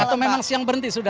atau memang siang berhenti sudah